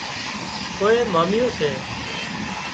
ڪوئي ماميون سي